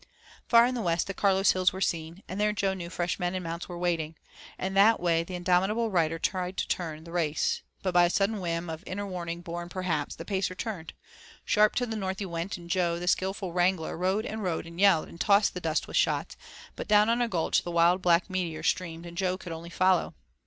Far in the west the Carlos Hills were seen, and there Jo knew fresh men and mounts were waiting, and that way the indomitable rider tried to turn, the race, but by a sudden whim, of the inner warning born perhaps the Pacer turned. Sharp to the north he went, and Jo, the skilful wrangler, rode and rode and yelled and tossed the dust with shots, but down on a gulch the wild black meteor streamed and Jo could only follow.